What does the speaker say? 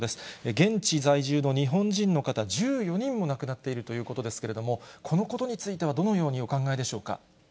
現地在住の日本人の方１４人も亡くなっているということですけれども、このことについては、どのようにお考えでしょうか。